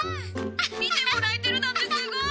「見てもらえてるなんてすごい」。